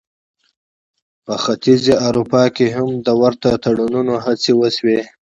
په ختیځې اروپا کې هم د ورته تړونونو هڅې وشوې.